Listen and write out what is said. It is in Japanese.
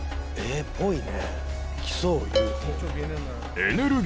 っぽいね。